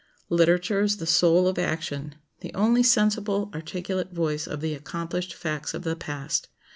Literature is the soul of action, the only sensible articulate voice of the accomplished facts of the past.